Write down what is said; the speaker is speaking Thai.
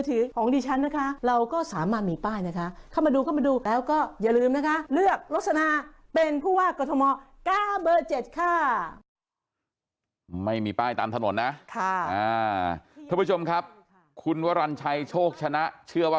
ทำมา๑๐แบบนะฮะคุณละสนานะฮะ